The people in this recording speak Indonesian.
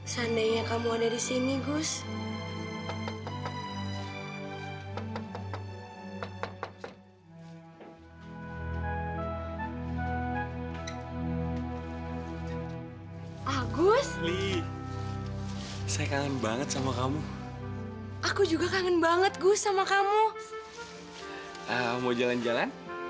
sampai jumpa di video selanjutnya